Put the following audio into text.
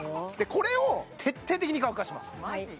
これを徹底的に乾かします